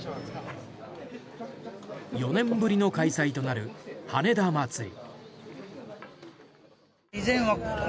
４年ぶりの開催となる羽田まつり。